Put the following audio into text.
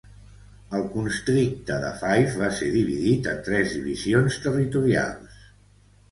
El constricte de Fife va ser dividit en tres Divisions Territorials.